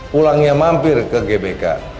pulangnya mampir ke gbk